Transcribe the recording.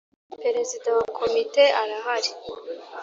Perezida wa Komite arahari.